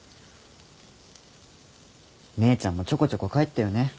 姉ちゃんもちょこちょこ帰ってよね。